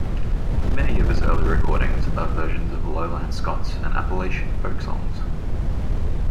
Many of his early recordings are versions of Lowland Scots and Appalachian folk songs.